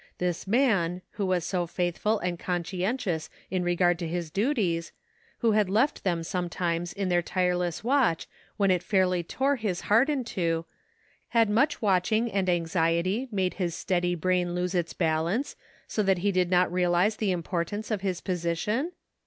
This man, who was so faithful and conscientious in regard to his duties, who had left them sometimes in their tireless watch when it fairly tore his heart in two, had much watching and anxiety made his steady brain lose its balance, so that he did not realize the importance of his position?